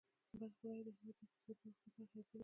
بلخ ولایت د هېواد د اقتصادي پرمختګ لپاره حیاتي رول لري.